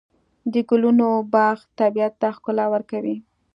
د ګلونو باغ طبیعت ته ښکلا ورکوي.